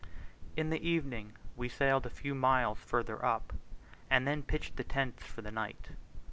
In the evening we sailed a few miles further up, and then pitched the tents for the night.